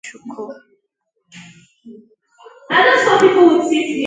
nke gụnyere isi ụlọọrụ ndị uweojii dị n'obodo ya bụ Ụmụchukwu